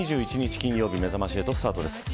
金曜日めざまし８スタートです。